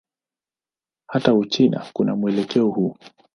Hata Uchina kuna mwelekeo huu.